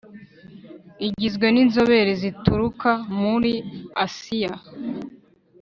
igizwe n inzobere zituruka muri asiya